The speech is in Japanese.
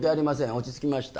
落ち着きました